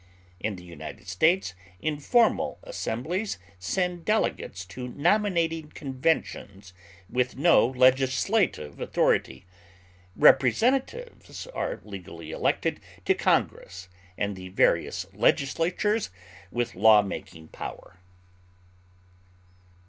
In the United States informal assemblies send delegates to nominating conventions with no legislative authority; representatives are legally elected to Congress and the various legislatures, with lawmaking power.